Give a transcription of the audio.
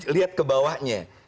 lihat ke bawahnya